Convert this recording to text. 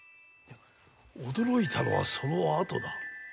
驚いたのはそのあとだ。